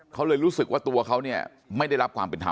เขาเลยรู้สึกว่าตัวเขาเนี่ยไม่ได้รับความเป็นธรรม